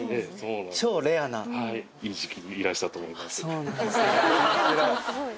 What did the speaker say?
そうなんですね。